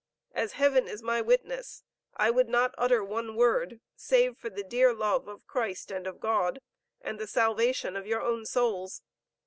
As heaven is my witness, I would not utter one word save for the dear love of Christ and of God, and the salvation of your own souls.